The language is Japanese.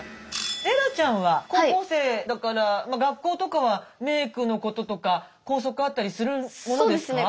レイラちゃんは高校生だから学校とかはメークのこととか校則あったりするものですか？